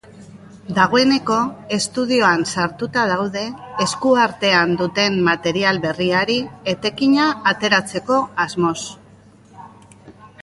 Dagoeneko estudioan sartuta daude, eskuartean duten material berriari etekina ateratzeko asmoz.